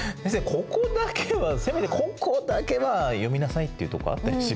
ここだけはせめてここだけは読みなさいっていうとこあったりしますか？